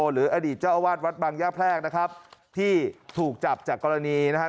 หรืออดีตเจ้าอาวาสวัดบางย่าแพรกนะครับที่ถูกจับจากกรณีนะครับ